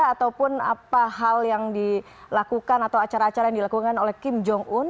ataupun apa hal yang dilakukan atau acara acara yang dilakukan oleh kim jong un